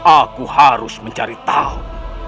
aku harus mencari tahu